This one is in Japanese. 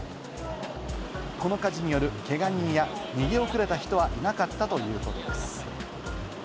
この火事によるけが人や逃げ遅れた人はいなかったということです。